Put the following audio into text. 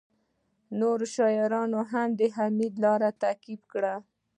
نورو شاعرانو هم د حمید لاره تعقیب کړه